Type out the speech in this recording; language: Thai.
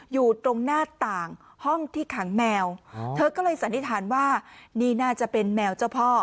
อยู่ตรงหน้าต่างห้องที่ขังแมวเธอก็เลยสันนิษฐานว่านี่น่าจะเป็นแมวเจ้าพ่อ